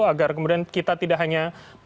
agar kemudian kita tidak hanya